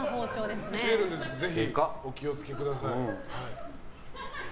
キレるのでお気を付けください。